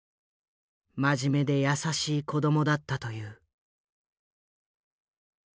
真面目で優しい子供だったという。